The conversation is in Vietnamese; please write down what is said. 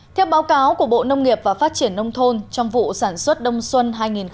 theo báo cáo của bộ nông nghiệp và phát triển nông thôn trong vụ sản xuất đông xuân hai nghìn một mươi tám hai nghìn một mươi chín